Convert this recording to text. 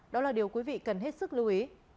đó là điều quý vị cần hết sức lưu ý